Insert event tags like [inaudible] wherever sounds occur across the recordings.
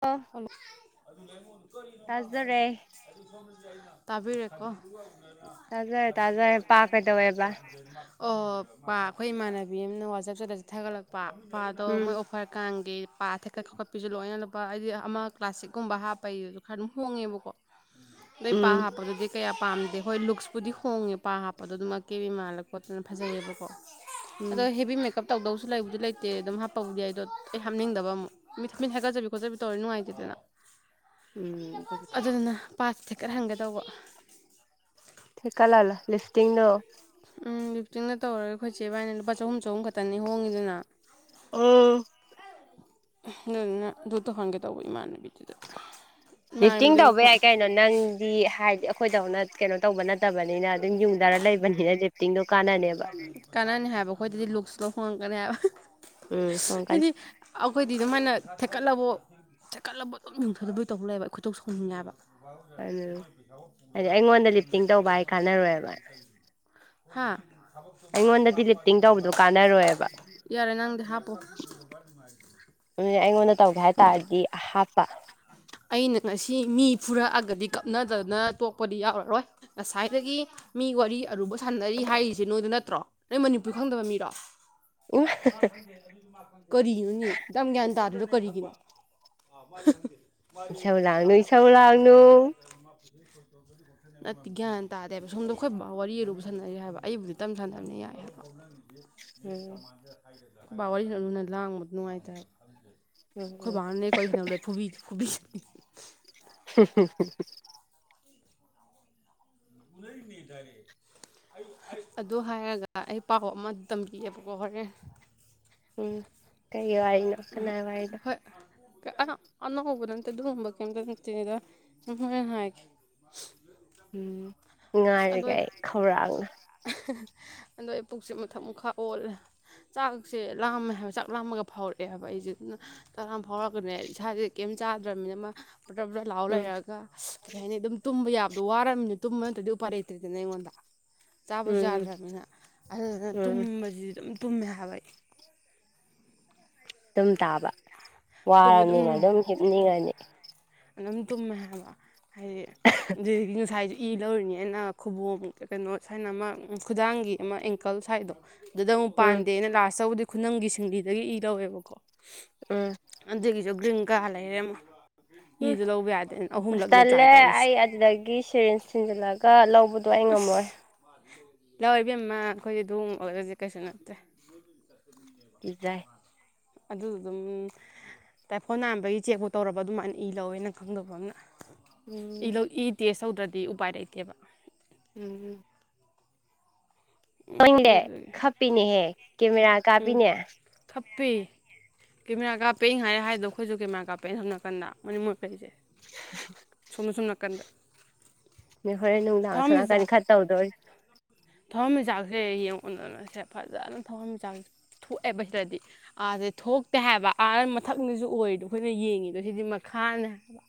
ꯑꯣ ꯍꯜꯂꯣ ꯇꯥꯖꯔꯦ [unintelligible] ꯇꯥꯕꯤꯔꯦꯀꯣ [unintelligible] ꯇꯥꯖꯔꯦ ꯇꯥꯖꯔꯦ ꯄꯥ ꯀꯩꯗꯧꯋꯦꯕ ꯑꯣ ꯄꯥ ꯈꯣꯏ ꯏꯃꯥꯟꯅꯕꯤ ꯑꯃꯅ ꯋꯥꯆꯞ ꯁ꯭ꯇꯦꯇꯁ ꯊꯥꯒꯠꯂꯛꯄ ꯄꯥꯥꯗꯣ ꯃꯣꯏ ꯎꯝ ꯑꯣꯞ ꯍꯣꯏ ꯀꯥꯡꯒꯤ ꯄꯥ ꯊꯦꯛꯀꯠ ꯈꯣꯀꯠꯄꯤꯁꯨ ꯂꯣꯏꯅ ꯂꯨꯞ ꯄꯥ ꯍꯥꯏꯗꯤ ꯑꯃ ꯀ꯭ꯂꯥꯁꯤꯛꯀꯨꯝꯕ ꯍꯥꯞꯄꯩ ꯖꯨ ꯈꯔ ꯑꯗꯨꯝ ꯍꯣꯡꯉꯦꯕꯀꯣ ꯅꯣꯏ ꯄꯥ ꯎꯝ ꯍꯥꯞꯄꯗꯨꯗꯤ ꯀꯌꯥꯝ ꯄꯥꯝꯗꯦ ꯍꯣꯏ ꯂꯨꯛꯁꯄꯨꯗꯤ ꯍꯣꯡꯉꯦ ꯄꯥ ꯍꯥꯞꯄꯗꯣ ꯑꯗꯨ ꯃꯥ ꯀꯦꯕꯤ ꯃꯥꯜꯂ ꯈꯣꯠꯇꯅ ꯐꯖꯩꯌꯦꯕꯀꯣ ꯑꯗꯣ ꯎꯝ ꯍꯦꯕꯤ ꯃꯦꯛ ꯀꯞ ꯇꯧꯗꯧꯁꯨ ꯂꯩꯕꯨꯗꯤ ꯂꯩꯇꯦ ꯑꯗꯨꯝ ꯍꯥꯞꯄꯕꯨꯗꯤ ꯑꯩꯗꯣ ꯑꯩ ꯍꯥꯞꯅꯤꯡꯗꯕ ꯑꯃꯨꯛ ꯃꯤꯠ ꯃꯤꯠ ꯍꯥꯒꯠꯖꯕꯤ ꯈꯣꯠꯆꯕꯤ ꯇꯧꯔꯗꯤ ꯅꯨꯡꯉꯥꯏꯇꯦꯗꯅ ꯎꯝ ꯗꯨꯕꯨꯗꯤ ꯑꯗꯨꯗꯨꯅ ꯄꯥ ꯊꯦꯀꯠꯍꯟꯒꯦ ꯇꯧꯕ ꯊꯦꯀꯠꯍꯟꯂꯣ ꯂꯤꯐꯇꯤꯡꯗꯣ ꯎꯝ ꯂꯤꯞꯇꯤꯡꯗ ꯇꯧꯔ ꯈꯣꯏ ꯆꯦ ꯏꯕꯥꯅꯤ ꯂꯨꯄꯥ ꯆꯍꯨꯝ ꯆꯍꯨꯝ ꯈꯠ ꯇꯅꯤ ꯍꯣꯡꯉꯤꯗꯅ ꯗꯨꯗꯨꯅ ꯑꯗꯨ ꯇꯧꯍꯟꯒꯦ ꯇꯧꯕ ꯏꯃꯥꯟꯅꯕꯤꯗꯨꯗ ꯂꯤꯐꯇꯤꯡ ꯏꯃꯥꯟꯅꯕꯤꯗꯣ ꯇꯧꯕ ꯑꯩꯈꯣꯏ ꯌꯥꯏ ꯀꯩꯅꯣ ꯅꯪꯗꯤ ꯍꯥꯏꯗꯤ ꯑꯩꯈꯣꯏꯗꯧꯅ ꯀꯩꯅꯣ ꯇꯧꯕ ꯅꯠ ꯇꯕꯅꯤꯅ ꯑꯗꯨꯝ ꯌꯨꯡꯗꯔ ꯂꯩꯕꯅꯤꯅ ꯂꯤꯞꯇꯤꯡꯗꯣ ꯀꯥꯟꯅꯅꯦꯕ ꯀꯥꯟꯅꯅꯤ ꯍꯥꯏꯕ ꯑꯩꯈꯣꯏꯗꯗꯤ ꯂꯨꯛꯁꯇꯣ ꯍꯣꯡꯉꯛꯀꯅꯤ ꯍꯥꯏꯕ ꯎꯝ ꯐꯪꯉꯛꯀꯅꯤ ꯍꯥꯏꯗꯤ ꯑꯈꯣꯏꯗꯤ ꯑꯗꯨꯃꯥꯏꯅ ꯊꯦꯠꯀꯠꯂꯕꯧ ꯊꯦꯛꯀꯠꯂꯕꯧ ꯑꯗꯨꯝ ꯌꯨꯡꯊꯥꯗꯣꯏ ꯇꯧ ꯂꯩꯑꯦꯕ ꯑꯩ ꯈꯣꯏꯗꯧ ꯁꯥꯎꯅꯤꯡꯉꯦ ꯍꯥꯏꯕ ꯎꯝ ꯍꯥꯏꯗꯤ ꯑꯩꯉꯣꯟꯗ ꯂꯤꯞꯇꯤꯡ ꯇꯧꯕ ꯍꯥꯏ [unintelligible] ꯀꯥꯟꯅꯔꯣꯏꯕ [unintelligible] ꯍꯥꯥ ꯑꯩꯉꯣꯟꯗꯗꯤ ꯂꯤꯞꯇꯤꯡ ꯇꯧꯕꯗꯣ ꯀꯥꯟꯅꯔꯣꯏꯕ [unintelligible] ꯌꯥꯔꯦ ꯅꯪꯗꯤ ꯍꯥꯞꯄꯣ [unintelligible] ꯑꯩꯉꯣꯟꯗ ꯇꯧꯒꯦ ꯍꯥꯏꯇꯥꯔꯗꯤ ꯍꯥꯞꯄ ꯑꯩꯅ ꯉꯁꯤ ꯃꯤ ꯐꯨꯔꯛꯑꯒꯗꯤ ꯀꯞꯅꯗꯅ ꯇꯣꯛꯄꯗꯤ ꯌꯥꯎꯔꯔꯣꯏ ꯉꯁꯥꯏꯗꯒꯤ ꯃꯤ ꯋꯥꯔꯤ ꯑꯔꯨꯕ ꯁꯥꯟꯅꯔꯤ ꯍꯥꯏꯔꯤꯁꯦ ꯅꯣꯏꯗ ꯅꯠꯇ꯭ꯔꯣ ꯅꯣꯏ ꯃꯅꯤꯄꯨꯔ ꯈꯪꯗꯕ ꯃꯤꯔꯣ ꯏꯃꯥ [unintelligible] ꯀꯔꯤꯅꯣꯅꯦ ꯗꯥꯝ ꯒ꯭ꯌꯥꯟ ꯇꯥꯗ꯭ꯔꯤꯗꯣ ꯀꯔꯤꯒꯤꯅꯣ ꯏꯁꯧ [unintelligible] ꯂꯥꯡꯅꯨ ꯇꯥꯃꯣ ꯏꯁꯧ [unintelligible] ꯂꯥꯡꯅꯨ ꯅꯠꯇꯦ ꯒ꯭ꯌꯥꯟ ꯇꯥꯗꯦꯕ ꯁꯣꯝꯗ ꯑꯩꯈꯣꯏ ꯕꯥ ꯋꯥꯔꯤ ꯑꯔꯨꯕ ꯁꯥꯟꯅꯔꯤ ꯍꯥꯏꯕ ꯑꯩꯕꯨꯗꯤ ꯇꯞ ꯁꯥꯟꯅꯕꯅꯦ ꯌꯥꯏ ꯍꯥꯏꯕ ꯎꯝ ꯕꯥ ꯋꯥꯔꯤ ꯂꯨꯅ ꯂꯥꯡꯕ ꯅꯨꯡꯉꯥꯏꯇꯦꯕ ꯎꯝ ꯎꯝ ꯈꯣꯏꯕꯥꯅꯅꯦ ꯀꯣꯏ ꯁꯥꯅꯕꯗꯥ ꯐꯨꯕꯤ ꯐꯨꯕꯤ [inaudible] ꯎꯟꯅꯔꯤꯃꯦ ꯗꯥꯏꯔꯦꯛ ꯑꯩ ꯑꯩ ꯑꯗꯨ ꯍꯥꯏꯔꯒ ꯑꯩ ꯄꯥꯎ ꯑꯃ ꯇꯝꯕꯤꯒꯦꯕꯀꯣ ꯍꯣꯔꯦꯟ ꯎꯝ ꯀꯩ ꯋꯥꯔꯤꯅꯣ ꯀꯅꯥꯏ ꯋꯥꯔꯤꯅꯣ ꯀ ꯑꯍꯥ ꯑꯅꯧꯕ ꯅꯠꯇꯦ ꯑꯗꯨꯒꯨꯝꯕ ꯀꯩꯝꯇ ꯅꯠꯇꯦꯗ ꯑꯩ ꯍꯣꯔꯦꯟ ꯍꯥꯏꯒꯦ ꯎꯝ ꯑꯁ ꯑꯗꯣ ꯉꯥꯏꯔꯒꯦ ꯑꯩ ꯈꯧꯔꯥꯡꯅ ꯑꯗꯣ ꯑꯩ ꯄꯨꯛꯁꯦ ꯃꯊꯛ ꯃꯈꯥ ꯑꯣꯜꯂꯦ ꯆꯥꯛꯁꯦ ꯂꯥꯝꯃꯦ ꯍꯥꯏꯕ ꯆꯥꯛ ꯂꯥꯝꯃꯒ ꯐꯥꯎꯔꯛꯑꯦꯕ ꯑꯩꯁꯦ ꯑꯗꯨꯅ ꯀꯔꯥꯝ ꯐꯥꯎꯔꯛꯒꯅꯦ ꯏꯁꯥꯁꯦ ꯀꯩꯝ ꯆꯥꯗ꯭ꯔꯝꯃꯤꯅ ꯃꯥ ꯕ꯭ꯔ ꯕ꯭ꯔ ꯂꯥꯎ ꯎꯝ ꯂꯩꯔꯒ ꯀꯔꯤ ꯍꯥꯏꯅꯤ ꯑꯗꯨꯝ ꯇꯨꯝꯕ ꯌꯥꯕꯗꯣ ꯋꯥꯔꯝꯃꯤꯅ ꯇꯨꯝꯕ ꯅꯠꯇ꯭ꯔꯗꯤ ꯎꯞ ꯄꯔꯦꯇ꯭ꯔꯤꯗꯅ ꯑꯩꯉꯣꯟꯗ ꯆꯥꯕꯁꯨ ꯎꯝ ꯌꯥꯗ꯭ꯔꯃꯤꯅ ꯑꯗꯨꯗꯨꯅ ꯎꯝ ꯇꯨꯝꯕꯁꯤꯗꯨꯝ ꯇꯨꯝꯃꯦ ꯍꯥꯏꯕ ꯑꯩ ꯇꯨꯝ ꯇꯥꯕ ꯋꯥꯔꯝꯅꯤꯅ ꯑꯗꯨꯝ ꯍꯤꯞꯅꯤꯡꯉꯅꯤ ꯑꯗꯨꯝ ꯇꯨꯝꯃꯦ ꯍꯥꯏꯕ ꯍꯥꯏꯗꯤ ꯑꯗꯨꯗꯒꯤ ꯉꯁꯥꯏꯗꯤ ꯏ ꯂꯧꯔꯤꯅꯦꯅ ꯈꯨꯕꯣꯝ ꯀꯩꯅꯣ ꯁꯥꯏꯅ ꯑꯃ ꯈꯨꯗꯥꯡꯒꯤ ꯑꯃ ꯑꯦꯡꯀꯜ ꯁꯥꯏꯗꯣ ꯑꯗꯨꯗ ꯑꯃꯨꯛ ꯎꯝ ꯄꯥꯟꯗꯦꯅ ꯂꯥꯁ ꯇꯕꯨꯗꯤ ꯈꯨꯅꯝꯒꯤ ꯁꯤꯡꯂꯤꯗꯒꯤ ꯏ ꯂꯧꯋꯦꯕꯀꯣ ꯎꯝ ꯑꯗꯨꯒꯤꯖꯨ ꯒ꯭ꯔꯤꯟ ꯀꯥ ꯂꯩꯔꯦ ꯑꯃꯨꯛ ꯎꯝ ꯑꯁ ꯇ꯭ꯔꯥꯏ ꯇꯜꯂꯦ ꯇꯧꯔꯤꯁꯦ ꯑꯩ ꯑꯗꯨꯗꯒꯤ ꯁꯤꯔꯤꯟꯁ ꯊꯤꯟꯖꯤꯜꯂꯒ ꯂꯧ ꯎꯝ ꯂꯧ ꯏꯕꯦꯝꯃ ꯑꯩꯈꯣꯏꯗꯤ ꯑꯗꯨꯝ ꯑꯣꯏꯕꯖꯦ ꯀꯩꯁꯨ ꯅꯠꯇꯦ ꯀꯤꯖꯥꯏ ꯑꯗꯨ ꯗꯨꯝ ꯇꯥꯏꯐꯣꯠ ꯅꯥꯝꯕꯒꯤ ꯆꯦꯛ ꯄꯨ ꯇꯧꯔꯕ ꯑꯗꯨꯝ ꯃꯥꯏꯟ ꯏ ꯂꯧꯋꯦ ꯅꯪ ꯈꯪꯗꯧꯕ ꯑꯝꯅ ꯏ ꯎꯝ ꯂꯧ ꯏ ꯇꯦꯁ ꯇꯧꯗ꯭ꯔꯗꯤ ꯎꯄꯥꯏ ꯂꯩꯇꯦꯕ ꯎꯝ ꯎꯝ ꯍꯣꯏꯅꯦ ꯑꯗꯨꯗꯨꯒꯤ ꯈꯞꯄꯤꯅꯦꯍꯦ ꯀꯦꯃꯦꯔꯥ ꯀꯥꯞꯄꯤꯅꯦ ꯈꯞꯄꯦ ꯀꯦꯃꯦꯔꯥ ꯀꯥꯞꯄꯦ ꯑꯩ ꯉꯥꯍꯥꯏ ꯍꯥꯏꯗꯣ ꯑꯩꯈꯣꯏꯁꯨ ꯀꯦꯃꯦꯔꯥ ꯀꯥꯞꯄꯦ ꯁ‌ꯣꯝ ꯅꯀꯟꯗ ꯃꯅꯤꯡ ꯃꯥꯏꯀꯩꯁ‌ꯦ ꯁ‌ꯣꯝꯗ ꯁ‌ꯣꯝꯅꯥꯀꯟꯗ ꯅ‌ꯣꯏ ꯍꯣꯔꯦꯟ ꯅꯨꯡꯗꯥꯡ ꯑꯁꯣꯅꯥꯀꯟ ꯈꯔ ꯇꯧꯗꯣꯔꯤ ꯊꯋꯥꯟꯃꯤꯆꯥꯛꯁꯦ ꯌꯦꯡꯉꯨꯗꯅꯁꯦ ꯐꯖꯅ ꯊꯋꯥꯟꯃꯤꯆꯥꯛꯁ‌ꯦ ꯊꯣꯛꯑꯦꯕ ꯁꯤꯗꯗꯤ ꯑꯥꯗꯗꯤ ꯊꯣꯛꯇꯦ ꯍꯥꯏꯕ ꯑꯥꯗꯅ ꯃꯊꯛꯅꯤꯖꯨ ꯑꯣꯏꯔꯤꯗꯣ ꯑꯩꯈꯣꯏꯅ ꯌꯦꯡꯉꯤꯗꯣ ꯁꯤꯗꯤ ꯃꯈꯥꯅꯦ ꯍꯥꯏꯕ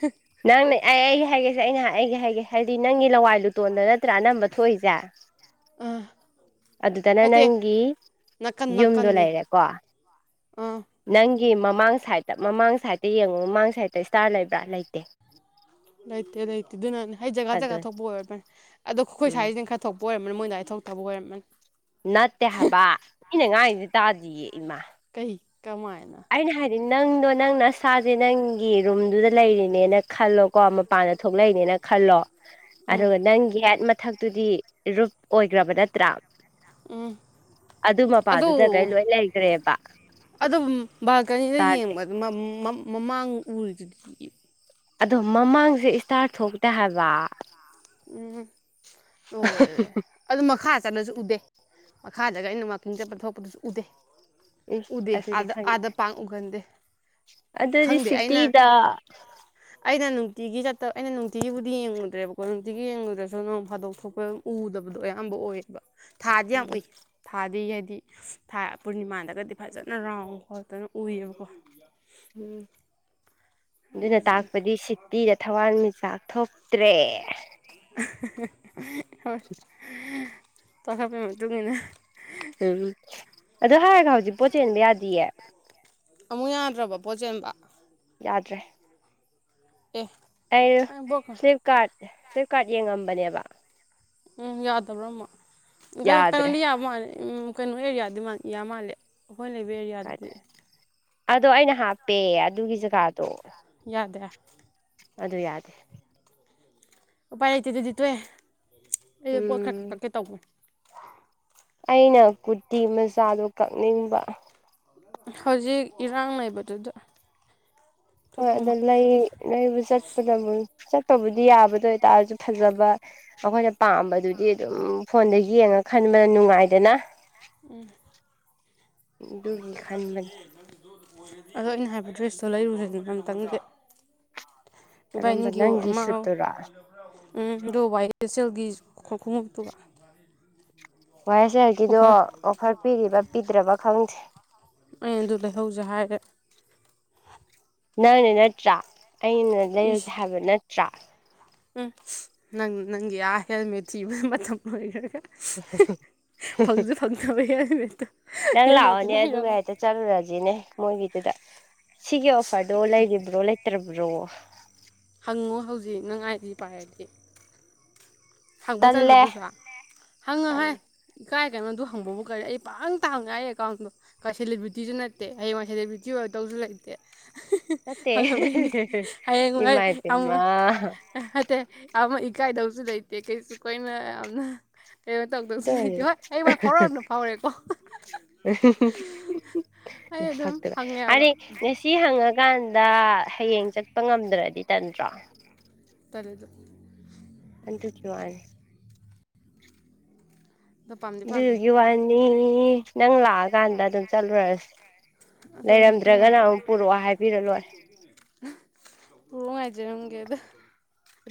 ꯍ ꯅꯪꯅ ꯑꯩ ꯑꯩ ꯍꯥꯏꯒꯦꯁꯦ ꯑꯩꯅ ꯑꯩꯒꯤ ꯍꯥꯏꯒꯦ ꯍꯥꯏꯕꯗꯤ ꯅꯪꯒꯤ ꯂꯋꯥꯏ ꯂꯨꯇꯣꯟꯗ ꯅꯠꯇ꯭ꯔꯥ ꯑꯅꯝꯕ ꯊꯣꯛꯏꯁꯦ ꯑꯥ ꯑꯗꯨꯗꯅ ꯅꯠꯇꯦ ꯅꯪꯒꯤ ꯅꯥꯀꯟ ꯌꯨꯝꯗꯣ ꯅꯥꯀꯟꯅꯤ ꯂꯩꯔꯦꯀꯣ ꯑꯥ ꯅꯪꯒꯤ ꯃꯃꯥꯡ ꯁꯥꯏꯠꯇ ꯃꯃꯥꯡ ꯁꯥꯏꯠꯇ ꯌꯦꯡꯉꯣ ꯃꯃꯥꯡ ꯁꯥꯏꯠꯇ ꯏꯁꯇꯥꯔ ꯂꯩꯕ꯭ꯔꯥ ꯂꯩꯇꯦ ꯂꯩꯇꯦ ꯂꯩꯇꯦ ꯑꯗꯨꯅꯅ‌ꯦ ꯍꯥꯏ ꯖꯒꯥ ꯖꯒꯥ ꯑꯗꯨꯅꯤ ꯊꯣꯛꯄ ꯑꯣꯏꯔꯝꯃꯅꯤ ꯑꯗꯣ ꯈꯣꯏ ꯎꯝ ꯁꯥꯏꯖꯤꯅ ꯈꯔ ꯊꯣꯛꯄ ꯑꯣꯏꯔꯝꯃꯅꯤ ꯃꯣꯏ‌ ꯑꯗꯥꯥꯏꯅ ꯊꯣꯛꯇꯕ ꯑꯣꯏꯔꯝꯃꯅꯤ ꯅꯠꯇꯦ ꯍꯥꯏꯕ ꯃꯤꯅ ꯉꯥꯡꯌꯤꯖꯦ ꯇꯥꯗꯤꯌꯦ ꯏꯃꯥ ꯀꯩ ꯀꯃꯥꯏꯅ ꯑꯩꯅ ꯍꯥꯏꯗꯤ ꯅꯪꯗꯣ ꯅꯪ ꯅꯁꯥꯖꯦ ꯅꯪꯒꯤ ꯔꯨꯝꯗꯨꯗ ꯂꯩꯔꯤꯅꯦꯅ ꯈꯜꯂꯣꯀꯣ ꯃꯄꯥꯟꯗ ꯊꯣꯛꯂꯛꯏꯅꯦꯅ ꯈꯜꯂꯣ ꯎꯝ ꯑꯗꯨꯒ ꯅꯪꯒꯤ ꯍꯦꯛ ꯃꯊꯛꯇꯨꯗꯤ ꯔꯨꯞ ꯑꯣꯏꯒꯔꯕ ꯅꯠꯇ꯭ꯔꯥ ꯎꯝ ꯑꯗꯨ ꯑꯗꯣ ꯃꯄꯥꯗꯨꯗ ꯑꯗꯩ ꯂꯣꯏ ꯂꯩꯒ꯭ꯔꯦꯕ ꯑꯗꯨꯝ ꯕꯥꯜꯀꯅꯤꯗ ꯌꯦꯡꯕꯗ ꯃꯪ ꯃ ꯃꯃꯥꯡ ꯎꯔꯤꯗꯨꯗꯤ ꯑꯗꯣ ꯃꯃꯥꯡꯖꯦ ꯏꯁꯇꯥꯔ ꯊꯣꯛꯇꯦ ꯍꯥꯏꯕ ꯎꯝ ꯂ‌ꯣꯏꯔꯦ ꯑꯗꯨ ꯃꯈꯥ ꯆꯠꯂꯁꯨ ꯎꯗꯦ ꯃꯈꯥꯗꯒ ꯑꯩꯅ ꯋꯥꯀꯤꯡ ꯆꯠꯄ ꯊꯣꯛꯄꯗꯁꯨ ꯎꯗꯦ ꯏꯁ ꯎꯗꯦ ꯑꯗꯨꯗꯤ ꯑꯥꯗ ꯈꯪ ꯑꯥꯗ ꯄꯥꯛ ꯎꯒꯟꯗꯦ ꯑꯗꯨꯗꯤ ꯈꯪꯗꯦ ꯑꯩꯅ ꯁꯤꯇꯤꯗ ꯑꯩꯅ ꯅꯨꯡꯇꯤꯒꯤ ꯆꯠꯇ ꯑꯩꯅ ꯅꯨꯡꯇꯤꯒꯤꯕꯨꯗꯤ ꯌꯦꯡꯉꯨꯗ꯭ꯔꯦꯕ ꯍ‌ꯣ ꯅꯨꯡꯇꯤꯒꯤ ꯌꯦꯡꯉꯨꯗ꯭ꯔꯁꯨ ꯅꯣꯡ ꯐꯥꯗꯣꯛ ꯊꯣꯛꯄꯗ ꯎꯗꯕꯗꯣ ꯑꯌꯥꯝꯕ ꯑꯣꯏꯌꯦꯕ ꯊꯥꯗꯤ ꯌꯥꯝ ꯎꯝ ꯎꯏ ꯊꯥꯗꯤ ꯍꯥꯏꯗꯤ ꯊꯥ ꯄꯨꯔꯅꯤꯃꯥꯗꯒꯗꯤ ꯐꯖꯅ ꯔꯥꯎꯟ ꯈꯣꯠꯇꯅ ꯎꯏꯌꯦꯕꯀꯣ ꯎꯝ ꯑꯗꯨꯅ ꯑꯗꯨꯗꯨꯅ ꯇꯥꯛꯄꯗꯤ ꯁꯤꯇꯤꯗ ꯊꯋꯥꯟꯃꯤꯆꯥꯛ ꯊꯣꯛ ꯇ꯭ꯔꯦ ꯍꯣꯏ ꯆꯥꯎꯂꯛꯄꯩ ꯃꯇꯨꯡ ꯏꯟꯅ ꯎꯝ ꯑꯗꯨ ꯍꯥꯏꯔꯒ ꯍꯧꯖꯤꯛ ꯄꯣꯠ ꯆꯦꯟꯕ ꯌꯥꯗꯤꯌꯦ ꯑꯃꯨꯛ ꯌꯥꯗ꯭ꯔꯕ‌ꯣ ꯄꯣꯠ ꯆꯦꯟꯕ ꯌꯥꯗ꯭ꯔꯦ ꯑꯦ ꯑꯩꯗꯨ ꯑꯩ ꯕ꯭ꯂꯣꯛꯀ ꯐ꯭ꯂꯤꯞꯀꯥꯔꯠ ꯐ꯭ꯂꯤꯞꯀꯥꯔꯠ ꯌꯦꯡꯉꯝꯕꯅꯦꯕ ꯎꯝ ꯌꯥꯗꯕ꯭ꯔ‌ꯣ ꯑꯃꯨꯛ ꯀꯩꯅꯣ ꯌꯥꯗ꯭ꯔꯦ ꯀꯩꯅꯣꯗꯤ ꯌꯥꯕ ꯃꯥꯜꯂꯦ ꯎꯝ ꯀꯩꯅ‌ꯣ ꯑꯦꯔꯤꯌꯥꯗꯤ ꯌꯥ ꯃꯥꯜꯂꯦ ꯑꯈꯣꯏ ꯂꯩꯕꯤ ꯑꯦꯔꯤꯌꯥ ꯀꯥꯏꯗ ꯑꯗꯣ ꯑꯩꯅ ꯍꯥꯞꯄꯦ ꯑꯗꯨꯒꯤ ꯖꯒꯥꯗꯣ ꯌꯥꯗꯦ ꯑꯗꯨ ꯌꯥꯗꯦ ꯎꯄꯥꯏ ꯂꯩꯇꯦ ꯑꯗꯨꯗꯤ ꯇꯣꯛꯑꯦ ꯑꯩꯗꯣ ꯄꯣꯠ ꯈꯔ ꯎꯝ ꯀꯛꯀꯦ ꯇꯧꯕ ꯑꯩꯅ ꯀꯨꯔꯇꯤ ꯃꯆꯥꯗ‌ꯣ ꯀꯛꯅꯤꯡꯕ ꯍꯧꯖꯤꯛ ꯏꯔꯥꯡ ꯂꯩꯕꯗꯨꯗ ꯍꯣꯏ ꯊꯣꯛꯄ ꯑꯗ ꯃꯥꯜꯂꯦ ꯂꯩ ꯂꯩꯕ ꯆꯠꯄꯗꯕ ꯆꯠꯄꯕꯨꯗꯤ ꯌꯥꯕ ꯑꯗꯨ ꯑꯣꯏꯇꯥꯔꯁꯨ ꯐꯖꯕ ꯑꯩꯈꯣꯏꯅ ꯄꯥꯝꯕꯗꯨꯗꯤ ꯑꯗꯨꯝ ꯐꯣꯟꯗ ꯌꯦꯡꯉ ꯈꯟꯕꯅ ꯅꯨꯡꯉꯥꯏꯗꯅ ꯎꯝ [unintelligible] ꯑꯗꯨꯒꯤ ꯈꯟꯕꯅꯤ [unintelligible] ꯑꯗꯣ ꯑꯩꯅ ꯍꯥꯏꯕ ꯗ꯭ꯔꯦꯁꯇꯣ ꯂꯩꯔꯨꯁꯦꯅ ꯑꯝꯇꯪꯗꯤ ꯀꯔꯝꯕ ꯏꯕꯥꯏꯅꯤꯒꯤ ꯅꯪꯒꯤ ꯑꯃ ꯁꯨꯠꯇꯨꯔꯣ ꯎꯝ ꯑꯗꯣ ꯋꯥꯏ ꯑꯦꯁ ꯑꯦꯜꯒꯤ ꯈꯣꯡꯎꯞꯇꯨꯒ ꯋꯥꯏ ꯑꯦꯁ ꯑꯦꯜꯒꯤꯗꯣ ꯑꯣꯐꯔ ꯑꯣꯐꯔ ꯄꯤꯔꯤꯕ ꯄꯤꯗ꯭ꯔꯕ ꯈꯪꯗꯦ ꯑꯩ ꯑꯗꯨ ꯂꯩꯍꯧꯁꯦ ꯍꯥꯏꯔꯦ ꯅꯪꯅ ꯅꯠꯇ꯭ꯔꯥ ꯑꯩꯅ ꯂꯩꯔꯨꯁꯦ ꯏꯁ ꯍꯥꯏꯕ ꯅꯠꯇ꯭ꯔꯥ ꯎꯝ ꯅꯪ ꯅꯪꯒꯤ ꯑꯥ ꯍꯦꯜꯃꯦꯠ ꯊꯤꯕꯗ ꯃꯇꯝ ꯂꯣꯏꯣꯈ꯭ꯔꯒ [unintelligible] ꯐꯪꯖꯨ ꯐꯪꯗꯕ ꯍꯦꯜꯃꯦꯠꯇꯣ ꯅꯪ ꯍꯦꯜꯃꯦꯠꯇꯤ ꯂꯥꯛꯑꯣꯅꯦ ꯑꯗꯨꯒ ꯂꯩꯔꯕ ꯍꯦꯛꯇ ꯆꯠꯂꯨꯔꯁꯤꯅꯦ ꯃꯣꯏꯒꯤꯗꯨꯗ ꯁꯤꯒꯤ ꯑꯣꯐꯔꯗꯣ ꯂꯩꯔꯤꯕ꯭ꯔꯣ ꯂꯩꯇ꯭ꯔꯕ꯭ꯔꯣ ꯍꯪꯉꯣ ꯍꯧꯖꯤꯛ ꯅꯪ ꯑꯥꯏꯖꯤ ꯄꯥꯏꯔꯗꯤ ꯍꯪꯕ ꯇꯟꯕ ꯇꯜꯂꯦ ꯑꯗꯨꯁꯨ ꯍꯪꯉꯣ ꯍꯦ ꯇꯜꯂꯦ ꯏꯀꯥꯏꯒꯅꯨ ꯑꯗꯨ ꯍꯪꯕꯕꯨ ꯀꯔꯤ ꯑꯩ ꯄꯪꯍꯪꯇꯥ ꯍꯪꯉꯦ ꯑꯩ ꯑꯦꯀꯥꯎꯟꯗꯣ ꯀ ꯁꯦꯂꯦꯕ꯭ꯔꯤꯇꯤꯁꯨ ꯅꯠꯇꯦ ꯍꯌꯦꯡꯋꯥꯏ ꯁꯦꯂꯦꯕ꯭ꯔꯤꯇꯤ ꯑꯣꯏꯗꯧꯁꯨ ꯂꯩꯇꯦ [unintelligible] [unintelligible] ꯅꯠꯇꯦ ꯍꯪꯉꯝꯃꯝꯅꯤ ꯍꯌꯦꯡꯋꯥꯏ ꯏꯃꯥꯏ ꯑꯃꯨꯛ ꯄꯦꯝꯃ ꯅꯠꯇꯦ ꯑꯃ ꯏꯀꯥꯏꯗꯧꯁꯨ ꯂꯩꯇꯦ ꯀꯩꯁꯨ ꯀꯣꯏꯅ ꯌꯥꯝꯅ ꯀꯩꯅꯣ ꯇꯧꯗꯧꯁꯨ ꯑꯗꯨ ꯂꯩꯇꯦ ꯍꯣꯏ ꯑꯣꯏꯔꯁꯨ ꯍꯌꯦꯡꯋꯥꯏ ꯐꯥꯎꯔꯛꯑꯒꯅ ꯐꯥꯎꯔꯛꯑꯦꯀꯣ [unintelligible] ꯑꯩ ꯑꯗꯨꯝ ꯅꯁꯛꯇꯨꯒ ꯍꯪꯉꯦꯕ ꯍꯥꯏꯗꯤ ꯁꯤ ꯍꯪꯉꯀꯥꯟꯗ ꯍꯌꯦꯡ ꯆꯠꯄ ꯉꯝꯗ꯭ꯔꯗꯤ ꯇꯟꯇ꯭ꯔꯣ [unintelligible] ꯑꯗꯨꯒꯤ ꯋꯥꯅꯤ ꯑꯗꯣ ꯄꯥꯝꯗꯤ ꯄꯥꯝꯃꯦ ꯑꯗꯨꯗꯨꯒꯤ ꯋꯥꯅꯤ ꯅꯪ ꯂꯥꯛꯑꯀꯥꯟꯗ ꯑꯗꯨꯝ ꯆꯠꯂꯨꯔꯁꯤ ꯑꯗꯣ ꯑꯩ ꯅꯨꯄꯤ ꯂꯩꯔꯝꯗ꯭ꯔꯒꯅ ꯑꯃꯨꯛ ꯄꯨꯔꯛꯑꯣ ꯍꯥꯏꯕꯤꯔ ꯂꯣꯏꯔꯦ [unintelligible] [unintelligible] ꯉꯥꯏꯖꯔꯝꯒꯦꯗ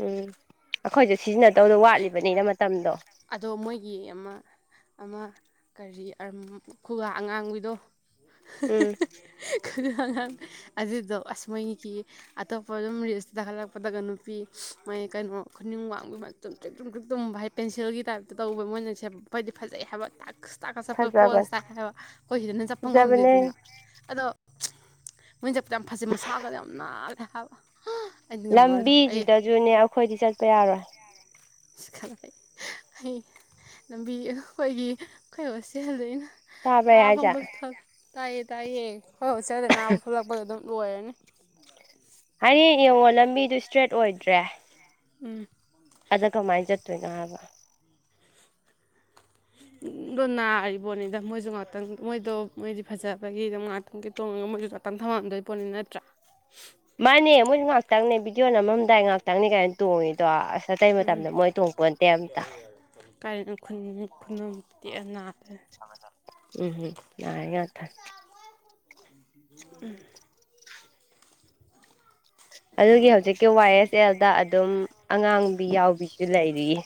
ꯎꯨꯝ ꯑꯩꯈꯣꯏꯁꯨ ꯁꯤꯖꯤꯟꯅꯗꯧꯗꯣ ꯋꯥꯠꯂꯤꯕꯅꯤꯅ ꯃꯇꯝꯗꯣ ꯑꯗꯣ ꯃꯣꯏꯒꯤ ꯑꯃ ꯑꯃ ꯀꯔꯤ ꯑꯝ ꯈꯨꯒꯥ ꯑꯉꯥꯡꯕꯤꯗꯣ ꯎꯝ [unintelligible] [unintelligible] ꯑꯗꯨꯗꯣ ꯑꯁ ꯃꯣꯏꯒꯤ ꯑꯇꯣꯞꯄ ꯑꯗꯨꯝ ꯔꯤꯜꯁꯇ ꯇꯥꯈꯠꯂꯛꯄꯗꯒ ꯅꯨꯄꯤ ꯃꯣꯏꯒꯤ ꯀꯩꯅꯣ ꯈꯨꯅꯤꯡ ꯋꯥꯡꯕꯤ ꯇꯨꯝꯇ꯭ꯔꯤꯛ ꯇꯨꯝꯇ꯭ꯔꯤꯛ ꯇꯨꯝꯕ ꯍꯥꯏꯗꯤ ꯄꯦꯟꯁꯤꯜꯒꯤ ꯇꯥꯏꯞꯇ ꯇꯧꯕꯕ ꯃꯣꯏꯅ ꯁꯦꯠ ꯍꯥꯏꯗꯤ ꯐꯖꯩ ꯍꯥꯏꯕ ꯇꯥꯛ ꯇꯥꯛꯀ ꯆꯠꯄꯗꯣ ꯄꯣꯁ ꯐꯖꯕꯅꯦ ꯇꯥꯏ ꯍꯥꯏꯕ ꯑꯩꯈꯣꯏ ꯁꯤꯗꯅ ꯆꯠꯄ ꯉꯝꯗꯦꯗꯅ ꯐꯖꯕꯅꯦ ꯑꯗꯣ ꯃꯣꯏꯅ ꯆꯠꯄꯗꯨ ꯌꯥꯝ ꯐꯖꯩ ꯃꯁꯥꯒꯗꯣ ꯌꯥꯝ ꯅꯥꯜꯂꯦ ꯍꯥꯏꯕ ꯑꯩꯗꯤ ꯉꯝꯃꯔꯣꯏꯗꯣ ꯑꯩ ꯂꯝꯕꯤꯁꯤꯗꯁꯨꯅꯦ ꯑꯩꯈꯣꯏꯗꯤ ꯆꯠꯄ ꯌꯥꯔꯣꯏ ꯑꯁ ꯈꯡꯗꯦ ꯑꯩ ꯂꯝꯕꯤ ꯑꯩꯈꯣꯏꯒꯤ ꯑꯩꯈꯣꯏ ꯍꯣꯁꯇꯦꯜꯗꯩꯅ ꯇꯥꯕ꯭ꯔꯥ ꯑꯩ ꯍꯥꯏꯁꯦ [unintelligible] ꯇꯥꯏꯌꯦ ꯇꯥꯏꯌꯦ ꯑꯩꯈꯣꯏ ꯍꯣꯁꯇꯦꯜꯗꯩꯅ ꯑꯕꯥꯎ ꯊꯣꯛꯂꯛꯄꯗ ꯑꯗꯨꯝ ꯂꯣꯏꯔꯅꯤ ꯍꯌꯦꯡ ꯌꯦꯡꯉꯣ ꯂꯝꯕꯤꯗꯨ ꯏꯁꯇ꯭ꯔꯦꯠ ꯑꯣꯏꯗ꯭ꯔꯦ ꯎꯨꯝ ꯑꯗ ꯀꯃꯥꯏꯅ ꯆꯠꯇꯣꯏꯅꯣ ꯍꯥꯏꯕ ꯗꯣ ꯅꯥꯔꯤꯕꯣꯠꯅꯤꯗ ꯃꯣꯏꯁꯨ ꯉꯥꯛꯇꯪ ꯃꯣꯏꯗꯣ ꯃꯣꯏꯗꯤ ꯐꯖꯕꯒꯤꯗ ꯉꯥꯛꯇꯪꯒꯤ ꯇꯣꯡꯉꯒ ꯃꯣꯏꯁꯨ [unintelligible] ꯊꯝꯃꯝꯗꯣꯏ ꯄꯣꯠꯅꯤ ꯅꯠꯇ꯭ꯔꯥ ꯃꯥꯅꯦ ꯃꯣꯏꯁꯨ ꯉꯥꯛꯇꯪꯅꯦ ꯕꯤꯗꯤꯑꯣ ꯅꯝꯃꯝꯗꯥꯏ ꯉꯥꯏꯥꯛꯇꯪꯅꯤ ꯀꯩ ꯇꯣꯡꯉꯤꯗꯣ ꯑꯁ ꯑꯇꯩ ꯃꯇꯝꯗ ꯃꯣꯏ ꯇꯣꯡꯄꯣꯟꯇꯦ ꯑꯝꯇ ꯀꯥꯏꯗꯩꯅꯣ ꯈꯨꯅꯤꯡ ꯈꯨꯅꯝ ꯇꯦꯛꯑ ꯅꯥꯗꯣꯏꯅꯤ [unintelligible] ꯎꯝ ꯅꯥꯔꯤ ꯉꯥꯛꯇꯅꯤ [unintelligible] ꯑꯗꯨꯒꯤ ꯍꯧꯖꯤꯛꯀꯤ ꯋꯥꯏ ꯑꯦꯁ ꯑꯦꯜꯗ ꯑꯗꯨꯝ ꯑꯉꯥꯡꯕꯤ ꯌꯥꯎꯕꯤꯁꯨ ꯂꯩꯔꯤꯌꯦ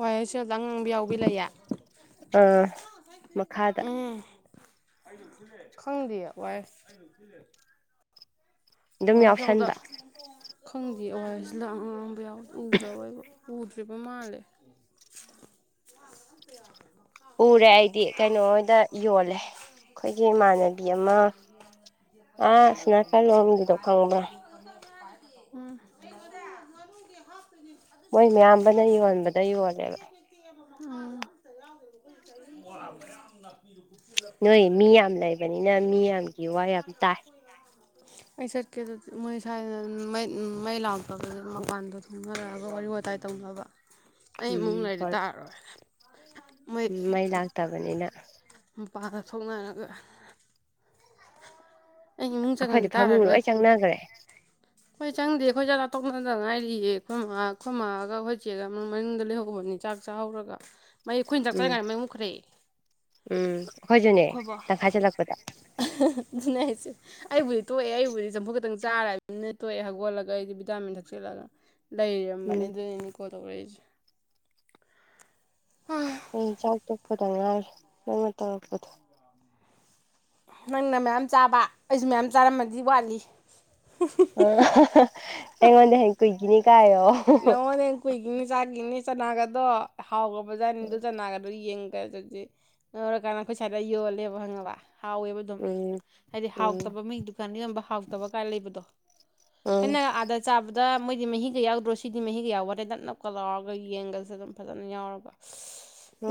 ꯋꯥꯏ ꯑꯦꯁ ꯑꯦꯜꯗ ꯑꯉꯥꯡꯕꯤ ꯌꯥꯎꯕꯤ ꯂꯩꯌꯦ ꯑ ꯃꯈꯥꯗ ꯎꯝ ꯈꯪꯗꯤꯌꯦ ꯋꯥꯏ [unintelligible] ꯑꯗꯨꯝ ꯌꯥꯎꯁꯟꯕ ꯎꯔꯕ ꯑꯩꯕꯣ ꯎꯗ꯭ꯔꯤꯕ ꯃꯥꯜꯂꯦ [unintelligible] ꯎꯔꯦ ꯑꯩꯗꯤ ꯀꯩꯅꯣꯍꯣꯏꯗ ꯌꯣꯜꯂꯦ ꯑꯩꯈꯣꯏꯒꯤ ꯏꯃꯥꯟꯅꯕꯤ ꯑꯃ ꯑꯥ [unintelligible] ꯈꯪꯕ꯭ꯔ ꯎꯝ [unintelligible] ꯃꯣꯏ ꯃꯌꯥꯝꯕꯅ ꯌꯣꯟꯕꯗ ꯌꯣꯜꯂꯦꯕ [unintelligible] ꯎꯝ [unintelligible] [unintelligible] ꯃꯤꯋꯥ ꯌꯥꯝ ꯇꯥꯏ ꯑꯩ ꯆꯠꯀꯦ ꯑꯗꯨꯗꯤ ꯃꯣꯏ ꯁꯥꯏꯗ ꯃꯩ ꯃꯩ ꯂꯥꯛꯇꯕꯗ ꯃꯄꯥꯟꯗꯣ ꯊꯣꯛꯅꯔꯛꯑꯒ ꯋꯥꯔꯤ ꯋꯥꯇꯥꯏ ꯇꯧꯅꯕ ꯑꯩ ꯏꯃꯨꯡ ꯎꯝ ꯂꯩꯔꯗꯤ ꯍꯣꯏ ꯇꯥꯔꯔꯣꯏ ꯃꯣꯏ ꯎꯝ ꯃꯩ ꯂꯥꯛꯇꯕꯅꯤꯅ ꯃꯄꯥꯟꯗ ꯊꯣꯛꯅꯔꯒ ꯑꯩ ꯏꯃꯨꯡ ꯑꯩꯈꯣꯏꯗꯤ ꯆꯪꯉꯗꯤ ꯐꯃꯨꯡ ꯇꯥꯔꯔꯣꯏ ꯂꯣꯏ ꯆꯪꯅꯈ꯭ꯔꯦ ꯍꯣꯏ ꯆꯪꯗꯦ ꯑꯩꯈꯣꯏ ꯆꯥꯅꯥꯥ ꯇꯣꯛꯅꯗ ꯉꯥꯏꯔꯤꯌꯦ ꯈꯣꯏꯃꯥ ꯈꯣꯏꯃꯥꯒ ꯈꯣꯏ ꯆꯦꯒ ꯃꯅꯨꯡꯗ ꯂꯩꯍꯧꯕꯅꯤ ꯆꯥꯛ ꯆꯥꯍꯧꯔꯒ ꯃꯩ ꯑꯩꯈꯣꯏꯅ ꯆꯥꯛ ꯎꯝ ꯆꯥꯔꯤꯉꯥꯏ ꯃꯩ ꯃꯨꯠꯈ꯭ꯔꯦ ꯈꯣꯏꯕꯥ ꯆꯠꯄꯗ ꯑꯗꯨꯅꯦ ꯑꯩ ꯍꯥꯢꯁꯦ ꯑꯩꯕꯨꯗꯤ ꯇꯣꯛꯑꯦ ꯑꯩꯕꯨꯗꯤ ꯆꯝꯐꯨꯠ ꯈꯇꯪ ꯆꯥꯔ ꯑꯗꯨꯅꯦ ꯇꯣꯛꯑꯦ ꯍꯧꯒꯣꯠꯂꯒ ꯑꯩꯗꯤ ꯚꯤꯇꯥꯃꯤꯟ ꯊꯛꯆꯤꯜꯂꯒ ꯂꯩꯔꯝꯕꯅꯤ ꯎꯝ ꯑꯗꯨꯏꯅꯦ ꯀꯣꯜ ꯇꯧꯔꯛꯏꯁꯦ ꯈꯣꯢ ꯆꯥꯛ ꯇꯣꯛꯄꯗ ꯉꯥꯏꯔꯤ ꯅꯪꯅ ꯇꯧꯔꯛꯄꯗꯣ ꯅꯪꯅ ꯃꯌꯥꯝ ꯆꯥꯕ ꯑꯩꯁꯨ ꯃꯌꯥꯝ ꯆꯥꯔꯝꯃꯗꯤ ꯋꯥꯠꯂꯤ [unintelligible] ꯑꯩꯉꯣꯟꯗꯩ ꯍꯦꯟ ꯀꯨꯏꯒꯤꯅꯤ ꯀꯥꯏꯌꯣ ꯅꯉꯣꯟꯗꯩꯍꯦꯟ ꯀꯨꯏꯒꯤꯅꯤ ꯆꯥꯒꯤꯅꯤ ꯆꯅꯥꯒꯗꯣ ꯍꯥꯎꯒ꯭ꯔꯕꯖꯥꯠꯅꯤꯗꯨ ꯆꯅꯥꯒꯥꯗꯨ ꯌꯦꯡꯕꯗ ꯗꯤ ꯉꯧꯔꯀꯥꯟꯗ ꯑꯈꯣꯏ ꯁ꯭ꯋꯥꯏꯗ ꯌꯣꯜꯂꯦꯕ ꯈꯪꯉꯕ ꯍꯥꯎꯋꯦꯕ ꯑꯗꯨꯝ ꯎꯝ ꯍꯥꯏꯗꯤ ꯎꯝ ꯍꯥꯎꯇꯕ ꯃꯤ ꯗꯨꯀꯥꯟꯗ ꯌꯣꯟꯕ ꯍꯥꯎꯇꯕ ꯀꯥꯏ ꯂꯩꯕꯗꯣ ꯎꯝ ꯈꯣꯢꯅꯒ ꯑꯥꯗ ꯆꯥꯕꯗ ꯃꯣꯏꯗꯤ ꯃꯍꯤꯒ ꯌꯥꯎꯗ꯭ꯔꯣ ꯁꯤ ꯁꯤꯗꯤ ꯃꯍꯤꯒ ꯌꯥꯎꯕꯟꯇꯦ ꯅꯞ ꯅꯞꯀ ꯂꯥꯎꯔꯒ ꯌꯦꯟꯒꯁꯨ ꯑꯗꯨꯝ ꯐꯖꯅ ꯌꯥꯎꯔꯒ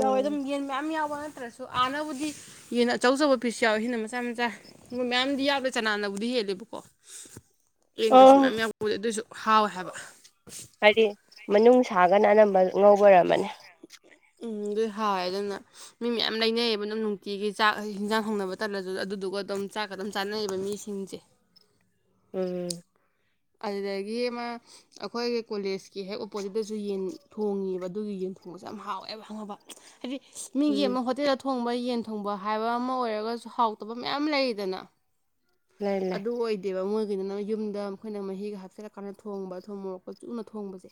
ꯌꯥꯎꯋꯦ ꯑꯗꯨꯝ ꯌꯦꯟ ꯃꯌꯥꯝ ꯌꯥꯎꯕ ꯅꯠꯇ꯭ꯔꯁꯨ ꯑꯥꯅꯕꯨꯗꯤ ꯌꯦꯟꯅ ꯑꯆꯧ ꯑꯆꯧꯕ ꯄꯤꯁ ꯌꯥꯎꯋꯦ ꯁꯥꯅ ꯃꯆꯥ ꯃꯆꯥ ꯃꯌꯥꯝꯗꯤ ꯌꯥꯎꯗꯦ ꯆꯅꯥꯅꯕꯨꯗꯤ ꯍꯦꯜꯂꯦꯕꯀꯣ ꯌꯦꯟꯒꯁꯨ ꯑꯣ ꯃꯥꯏꯌꯥꯝ ꯌꯥꯎꯕꯇꯦ ꯑꯗꯨꯁꯨ ꯍꯥꯎꯋꯦ ꯍꯥꯏꯕ ꯍꯥꯏꯗꯤ ꯃꯅꯨꯡꯁꯥꯒꯅ ꯑꯅꯝꯕ ꯉꯧꯕ ꯑꯣꯏꯔꯝꯃꯅꯤ ꯎꯝ ꯗꯨꯏ ꯍꯥꯎꯋꯦ ꯑꯗꯨꯅ ꯃꯤ ꯃꯌꯥꯝ ꯂꯩꯅꯩꯌꯦꯕ ꯑꯗꯨꯝ ꯅꯨꯡꯇꯤꯒꯤ ꯆꯥꯛ ꯍꯦꯟꯖꯥꯡ ꯊꯣꯡꯅꯕ ꯇꯜꯂꯁꯨ ꯑꯗꯨꯗꯨꯒ ꯑꯗꯨꯝ ꯆꯥꯛ ꯀ ꯑꯗꯨꯝ ꯆꯥꯟꯅꯩꯕ ꯃꯤꯁꯤꯡꯁꯦ ꯎꯝ ꯑꯗꯨꯗꯒꯤ ꯑꯃ ꯑꯩꯈꯣꯏꯒꯤ ꯀꯣꯂꯦꯖꯀꯤ ꯍꯦꯛ ꯑꯣꯄꯣꯖꯤꯠꯇꯁꯨ ꯌꯦꯟ ꯊꯣꯡꯉꯤꯌꯦꯕ ꯑꯗꯨꯒꯤ ꯌꯦꯟ ꯊꯣꯡꯕꯁꯦ ꯌꯥꯝ ꯍꯥꯎꯋꯦꯕ ꯈꯪꯉꯕ ꯍꯥꯏꯗꯤ ꯃꯤꯒꯤ ꯎꯝ ꯑꯃ ꯍꯣꯇꯦꯜꯗ ꯊꯣꯡꯕ ꯌꯦꯟ ꯊꯣꯡꯕ ꯍꯥꯏꯕ ꯑꯃ ꯑꯣꯏꯔꯒꯁꯨ ꯍꯥꯎꯇꯕ ꯃꯌꯥꯝ ꯂꯩꯗꯅ ꯂꯩ ꯂꯩ ꯑꯗꯨ ꯑꯣꯏꯗꯦꯕ ꯃꯣꯏꯒꯤꯗꯨꯅ ꯌꯨꯝꯗ ꯃꯈꯣꯏꯅ ꯃꯍꯤꯒ ꯍꯥꯞꯆꯤꯜꯂꯛꯀꯥꯟꯗ ꯊꯣꯡꯕ ꯊꯨꯝ ꯃꯣꯔꯣꯛꯀ ꯆꯨꯅ ꯊꯣꯡꯕꯁꯦ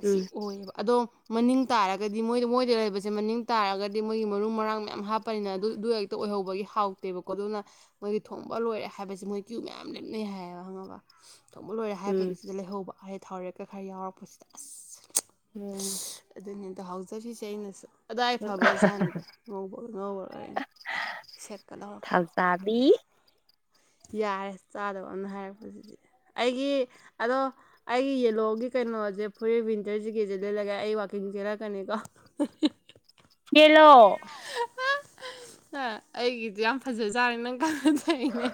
ꯑꯁꯤ ꯎꯝ ꯑꯣꯏꯌꯦꯕ ꯑꯗꯣ ꯃꯅꯤꯡ ꯇꯥꯔꯒꯗꯤ ꯃꯣꯏꯗꯣ ꯃꯣꯏꯗ ꯂꯩꯕꯁꯦ ꯃꯅꯤꯡ ꯇꯥꯔꯒꯗꯤ ꯃꯣꯏꯒꯤ ꯃꯔꯨ ꯃꯔꯥꯡ ꯃꯌꯥꯝ ꯍꯥꯞꯄꯅꯤꯅ ꯑꯗꯨ ꯗꯨ ꯍꯦꯛ ꯇ ꯑꯣꯏꯍꯧꯕꯒꯤ ꯍꯥꯎꯇꯦꯕꯀꯣ ꯑꯗꯨꯅ ꯃꯣꯏꯗꯤ ꯊꯣꯡ ꯕ ꯂꯣꯏꯔꯦ ꯍꯥꯏꯕꯁꯤ ꯃꯣꯏ ꯀ꯭ꯌꯨ ꯃꯌꯥꯝ ꯂꯦꯞꯅꯩ ꯍꯥꯏꯌꯦꯕ ꯈꯪꯉꯕ ꯊꯣꯡꯕ ꯂꯣꯏꯔꯦ ꯍꯥꯏꯕꯒꯤ ꯎꯝ ꯁꯤꯗ ꯂꯩꯍꯧꯕ ꯍꯥꯏ ꯊꯥꯎꯔꯦꯛꯀꯥ ꯈꯔꯥ ꯌꯥꯎꯔꯛꯄꯁꯤꯗꯤ ꯑꯁ ꯎꯝ ꯑꯗꯨꯅꯤ ꯑꯗꯣ ꯍꯥꯎꯖꯔꯤꯁꯦ ꯑꯩꯅꯁꯨ ꯑꯗꯣ ꯑꯩ ꯐꯕꯒ ꯆꯥꯅꯤꯗ ꯉꯧꯕ ꯉꯧꯔꯒꯔꯥ ꯁꯦꯠꯀ ꯇꯧꯔꯥꯒ ꯇꯥꯕꯤ ꯌꯥꯔꯦ ꯆꯥꯗꯕꯝꯅ ꯍꯥꯏꯔꯛꯄꯁꯤꯗꯤ ꯑꯩꯒꯤ ꯑꯗꯣ ꯑꯩꯒꯤ ꯌꯦꯂꯣꯒꯤ ꯀꯩꯅꯣꯁꯦ ꯐꯣꯔꯤꯠ ꯋꯤꯟꯇꯔ ꯖꯤꯀꯦꯠꯁꯦ ꯂꯤꯠꯂꯥꯒ ꯑꯩ ꯋꯥꯛꯀꯤꯡ ꯆꯦꯜꯂꯛꯀꯅꯤ ꯀꯣ [unintelligible] ꯂꯤꯠꯂꯣ [unintelligible] ꯑꯩꯒꯤꯗꯤ ꯌꯥꯝ ꯐꯖꯖꯥꯅꯤ ꯅꯪ ꯈꯪꯗ ꯇꯧꯔꯤꯅꯦ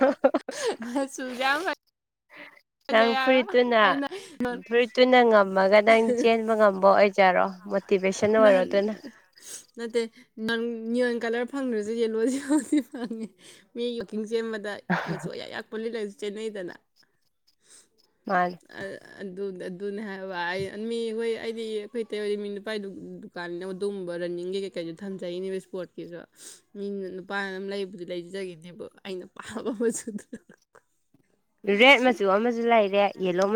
[unintelligible] ꯅꯪ ꯐꯖꯩ ꯍꯥꯏꯕ ꯐꯨꯔꯤꯠꯇꯨꯅ ꯑꯩꯅ ꯐꯨꯔꯤꯠꯇꯨꯅ ꯉꯝꯃꯥꯒ ꯅꯪ ꯆꯦꯟꯕ ꯉꯝꯕ ꯑꯣꯏꯖꯔꯣ ꯃꯣꯇꯤꯚꯦꯁꯟ ꯑꯣꯏꯔꯣ ꯅꯍꯥꯟ ꯑꯗꯨꯅ ꯅꯠꯇꯦ [inaudible] ꯅꯤꯌꯣꯟ ꯀꯂꯔ ꯐꯪꯗ꯭ꯔꯁꯨ ꯌꯦꯂꯣꯗꯤ ꯐꯪꯗꯤ ꯐꯪꯉꯦ ꯃꯤ ꯋꯥꯛꯀꯤꯡ ꯆꯦꯟꯕꯗ ꯃꯆꯨ ꯑꯌꯥꯌꯥꯛꯄꯥ ꯂꯤꯠꯂꯥꯒꯁꯨ ꯆꯦꯟꯅꯩꯗꯅ ꯃꯥꯅꯤ ꯑꯥ ꯑꯗꯨ ꯑꯗꯨꯅꯦ ꯍꯥꯏꯕ ꯑꯩ ꯃꯤ ꯑꯩꯈꯣꯏ ꯑꯩꯗꯤ ꯑꯩꯈꯣꯏ ꯏꯇꯩ ꯍꯣꯏꯗꯤ ꯃꯤ ꯅꯨ ꯄꯥꯏꯗꯨ ꯗꯨꯀꯥꯟꯅꯤꯅ ꯑꯗꯨꯒꯨꯝꯕ ꯔꯟꯅꯤꯡꯒꯤ ꯀꯩꯀꯩꯁꯨ ꯊꯟꯖꯩꯅꯦꯕ ꯏꯁꯄꯣꯔꯠꯀꯤꯁꯨ ꯃꯤꯅ ꯅꯨꯄꯥꯅ ꯑꯗꯨꯝ ꯂꯩꯕꯨꯗꯤ ꯂꯩꯖꯒꯤꯅꯦꯕ ꯑꯩꯅ ꯄꯥꯝꯕ ꯃꯆꯨꯗꯨꯗ ꯔꯦꯠ ꯃꯆꯨ ꯑꯃꯁꯨ ꯂꯩꯔꯦ ꯌꯦꯜꯂꯣ ꯃꯥ